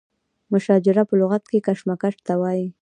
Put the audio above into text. مشاجره په لغت کې کشمکش ته وایي.